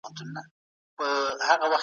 ایا مسلکي بڼوال وچ انار ساتي؟